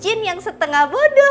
jeanne yang setengah bodoh